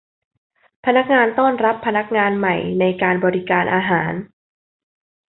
พนักงานต้อนรับพนักงานใหม่ในการบริการอาหาร